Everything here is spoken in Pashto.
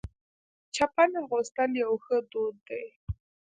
چپن اغوستل یو ښه دود دی.